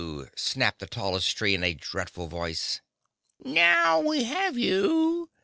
snapped the tallest tree in a dreadful voice] "Now we have you!"